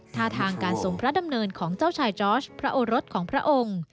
ท่าทางการทรงพระดำเนินของเจ้าชายจอร์ชพระโอรสของพระองค์